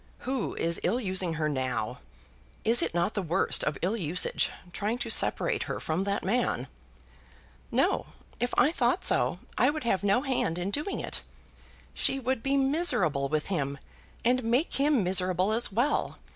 "Who is ill using her now? Is it not the worst of ill usage, trying to separate her from that man?" "No; if I thought so, I would have no hand in doing it. She would be miserable with him, and make him miserable as well.